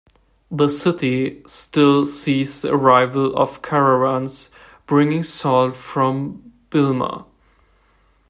The city still sees the arrival of caravans, bringing salt from Bilma.